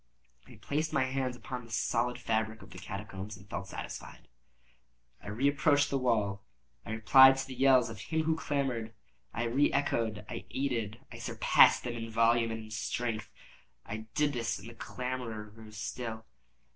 I placed my hand upon the solid fabric of the catacombs, and felt satisfied. I reapproached the wall. I replied to the yells of him who clamored. I re echoed—I aided—I surpassed them in volume and in strength. I did this, and the clamorer grew still.